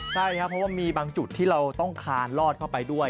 ใช่ครับเพราะว่ามีบางจุดที่เราต้องคานลอดเข้าไปด้วย